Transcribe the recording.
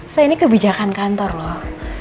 saya ini kebijakan kantor loh